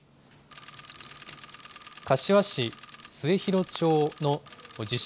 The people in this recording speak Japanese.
柏市末広町の自称